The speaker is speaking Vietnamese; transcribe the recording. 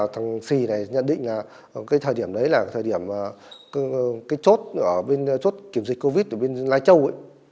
thằng sì này nhận định là cái thời điểm đấy là thời điểm cái chốt kiểm dịch covid ở bên lai châu ấy